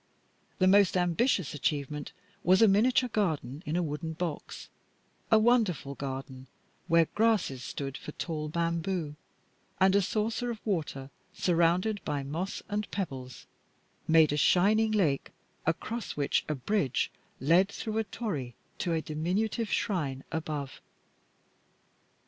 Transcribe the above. The most ambitious achievement was a miniature garden in a wooden box a wonderful garden where grasses stood for tall bamboo, and a saucer of water, surrounded by moss and pebbles, made a shining lake across which a bridge led through a torii to a diminutive shrine above.